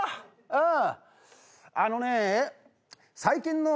うん。